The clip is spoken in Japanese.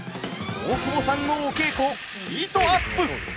大久保さんのお稽古ヒートアップ。